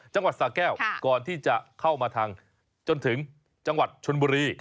สาแก้วก่อนที่จะเข้ามาทางจนถึงจังหวัดชนบุรี